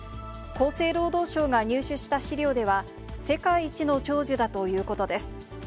厚生労働省が入手した資料では、世界一の長寿だということです。